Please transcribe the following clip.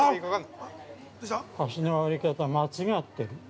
箸の割り方、間違ってる。